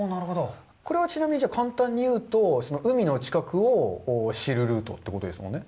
これはちなみに簡単に言うと、海の近くを知るルートということですもんね。